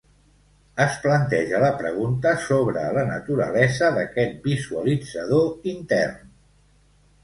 Es planteja la pregunta sobre la naturalesa d'aquest visualitzador intern.